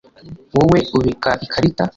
wowe ubika ikarita